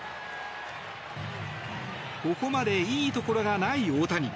ここまでいいところがない大谷。